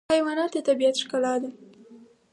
حیوانات د طبیعت ښکلا ده.